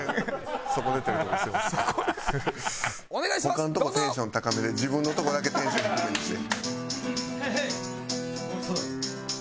他のとこテンション高めで自分のとこだけテンション低めにして。